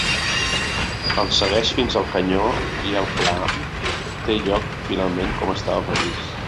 El segueix fins al canyó i el pla té lloc finalment com estava previst.